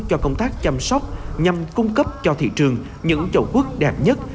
cho công tác chăm sóc nhằm cung cấp cho thị trường những chầu quốc đẹp nhất